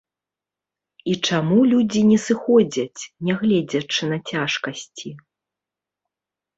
І чаму людзі не сыходзяць, нягледзячы на цяжкасці?